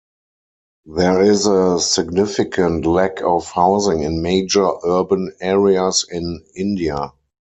There is a significant lack of housing in major urban areas in India.